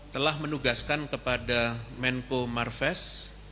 telah menugaskan kepada menko marves